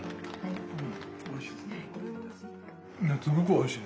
おいしい。